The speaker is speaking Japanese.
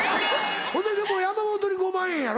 ほんででも山本に５万円やろ？